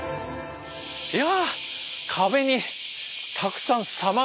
いや！